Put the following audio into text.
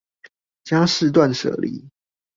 家事斷捨離